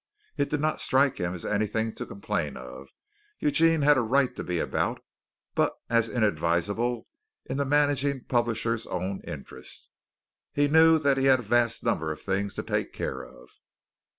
It did not strike him as anything to complain of Eugene had a right to be about but as inadvisable, in the managing publisher's own interest. He knew that he had a vast number of things to take care of.